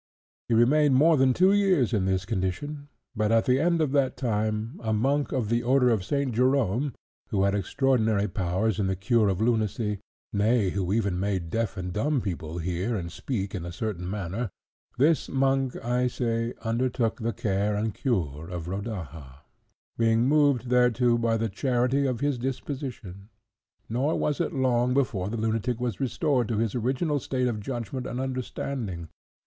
He remained more than two years in this condition; but, at the end of that time, a monk of the order of St. Jerome, who had extraordinary powers in the cure of lunacy, nay, who even made deaf and dumb people hear and speak in a certain manner; this monk, I say, undertook the care and cure of Rodaja, being moved thereto by the charity of his disposition. Nor was it long before the lunatic was restored to his original state of judgment and understanding.